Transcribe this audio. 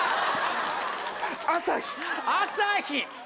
朝日！